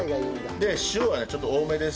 で塩はねちょっと多めです。